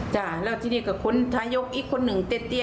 จ้ะแล้วทีนี้กับทายกขนอีกคนนึงเตี้ยเตี้ย